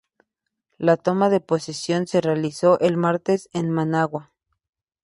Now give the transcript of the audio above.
La toma de posesión se realizó el martes en Managua.